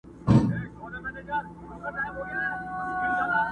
نه یې له تیارې نه له رڼا سره؛